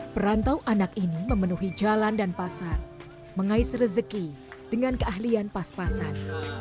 perantau anak ini memenuhi jalan dan pasar mengais rezeki dengan keahlian pas pasan